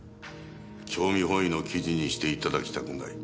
興味本位の記事にして頂きたくない。